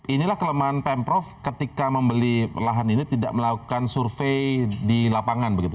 inilah kelemahan pemprov ketika membeli lahan ini tidak melakukan survei di lapangan begitu